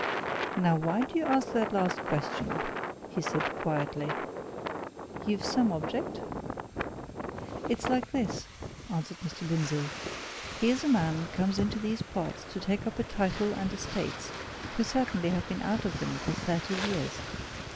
"Now, why do you ask that last question?" he said quietly. "You've some object?" "It's like this," answered Mr. Lindsey. "Here's a man comes into these parts to take up a title and estates, who certainly had been out of them for thirty years.